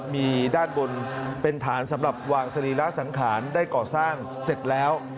มีด้านบนเป็นฐานสำหรับวางสรีระสังขารได้ก่อสร้างเสร็จแล้ว